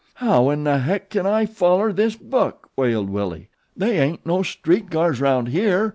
How in hek kin I foller this book?" wailed Willie. "They ain't no street cars 'round here.